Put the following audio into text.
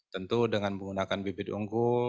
tentu dengan menggunakan bibit unggul